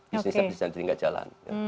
bisnisnya bisa jadi nggak jalan